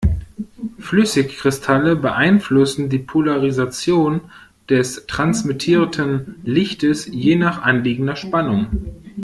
Flüssigkristalle beeinflussen die Polarisation des transmittierten Lichts je nach anliegender Spannung.